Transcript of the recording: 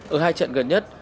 ở hai trận gần nhất